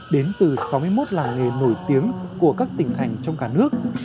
đến từ sáu mươi một làng nghề nổi tiếng của các tỉnh thành trong cả nước